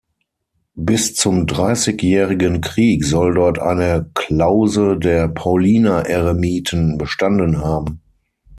Bis zum Dreißigjährigen Krieg soll dort eine Klause der Pauliner-Eremiten bestanden haben.